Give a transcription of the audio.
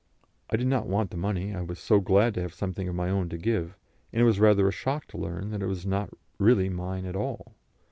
I did not want the money: I was only so glad to have something of my own to give, and it was rather a shock to learn that it was not really mine at all.